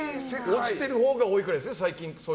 落ちてるほうが多いくらいですね。